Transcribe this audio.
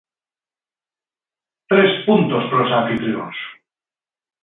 Tres puntos pros anfitrións.